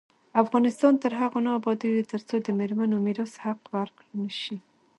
افغانستان تر هغو نه ابادیږي، ترڅو د میرمنو میراث حق ورکړل نشي.